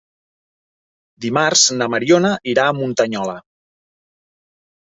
Dimarts na Mariona irà a Muntanyola.